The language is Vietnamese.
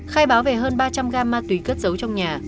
khai báo về hơn ba trăm linh gram ma túy cắt giấu trong nhà